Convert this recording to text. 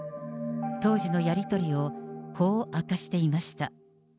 当時のやり取りをこう明かしていました。